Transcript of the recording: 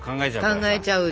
考えちゃう。